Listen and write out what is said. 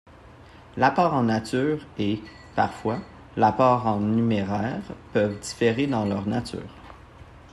L'apport en nature et, parfois, l'apport en numéraire peuvent différer dans leur nature.